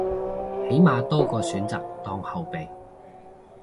起碼多個選擇當後備